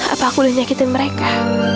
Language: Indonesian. apa aku udah nyakitin mereka